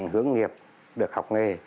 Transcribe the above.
hướng nghiệp được học nghề